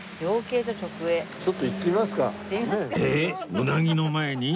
うなぎの前に？